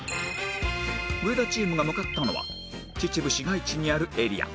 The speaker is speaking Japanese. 上田チームが向かったのは秩父市街地にあるエリア